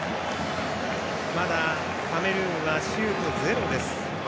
まだ、カメルーンはシュート、ゼロです。